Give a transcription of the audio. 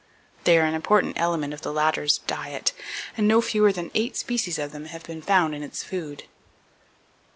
They are an important element of the latter bird's diet, and no fewer than eight species of them have been found in its food.